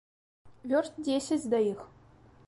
Вёрст дзесяць да іх.